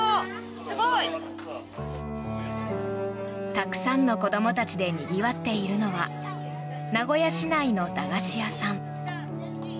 たくさんの子どもたちでにぎわっているのは名古屋市内の駄菓子屋さん。